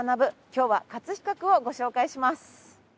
今日は飾区をご紹介します。